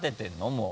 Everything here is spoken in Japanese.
もう。